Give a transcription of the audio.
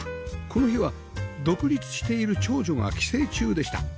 この日は独立している長女が帰省中でした